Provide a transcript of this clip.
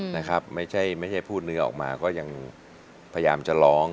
นะครับไม่ใช่ไม่ใช่พูดเนื้อออกมาก็ยังพยายามจะร้อง